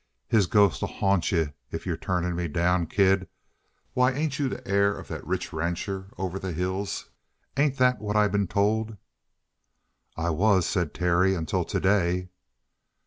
His ghost'll haunt you if you're turning me down, kid. Why, ain't you the heir of a rich rancher over the hills? Ain't that what I been told?" "I was," said Terry, "until today."